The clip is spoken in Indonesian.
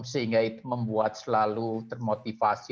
sehingga itu membuat selalu termotivasi